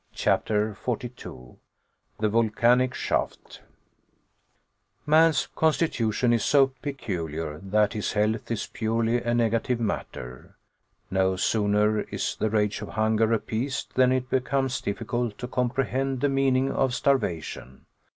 CHAPTER 42 THE VOLCANIC SHAFT Man's constitution is so peculiar that his health is purely a negative matter. No sooner is the rage of hunger appeased than it becomes difficult to comprehend the meaning of starvation.